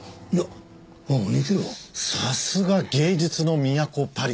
さすが芸術の都パリ。